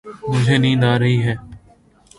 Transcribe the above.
مجھے نیند آ رہی ہے